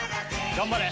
頑張れ